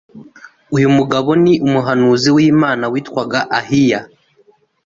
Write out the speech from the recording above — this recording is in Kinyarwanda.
Uyu mugabo ni umuhanuzi w’Imana witwaga Ahiya